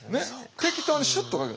適当にシュッとかける。